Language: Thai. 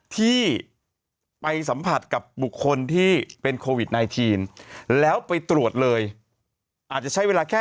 ที่ไปสัมผัสกับบุคคลที่เป็นโควิด๑๙แล้วไปตรวจเลยอาจจะใช้เวลาแค่